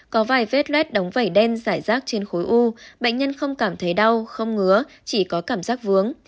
có vài vết luet đóng vẩy đen giải rác trên khối u bệnh nhân không cảm thấy đau không ngứa chỉ có cảm giác vướng